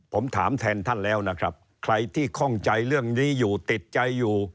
ผมถามแทนท่านแล้วนะครับใครที่คล่องใจเรื่องนี้อยู่ติดใจอยู่